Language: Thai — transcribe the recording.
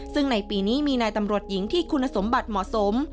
ซึ่งในปีนี้มีนายตำรวจหญิงที่คุณสมบัติเหมาะสม